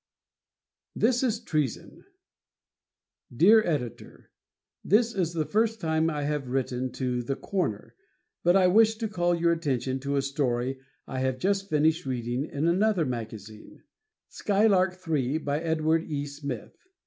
This Is Treason! Dear Editor: This is the first time I have written to the "Corner," but I wished to call your attention to a story I have just finished reading in another magazine "Skylark Three," by Edward E. Smith.